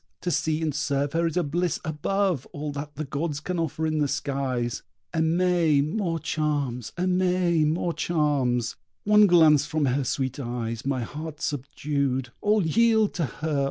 To see and serve her is a bliss above All that the gods can offer in the skies. Aimée more charms, &c. One glance from her sweet eyes my heart subdued. All yield to her!